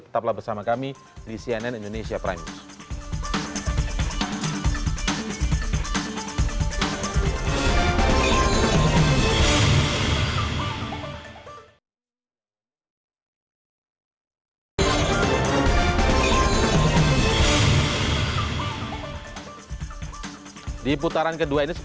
tetaplah bersama kami di cnn indonesia prime news